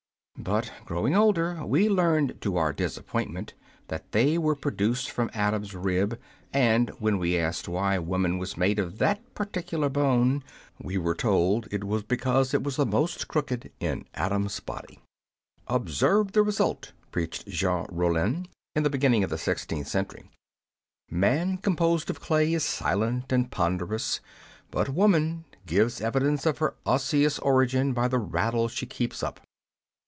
But, growing older, we learned to our disappointment that they were produced from Adam's rib ; and when we asked why woman was made of that particular bone, we were told because it was the most crooked in Adam's body. " Observe the result," preached Jean Raulin, in the beginning of the sixteenth century :" man, com posed of clay, is silent and ponderous ; but woman gives evidence of her osseous origin by the rattle she keeps up.